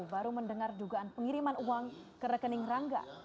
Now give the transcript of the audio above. baru mendengar dugaan pengiriman uang ke rekening rangga